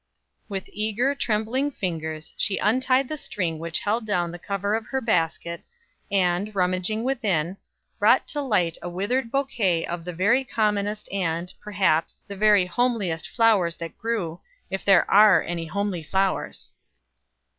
With eager, trembling fingers, she untied the string which held down the cover of her basket, and, rummaging within, brought to light a withered bouquet of the very commonest and, perhaps, the very homeliest flowers that grew, if there are any homely flowers.